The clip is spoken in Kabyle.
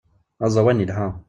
Aẓawan yelha.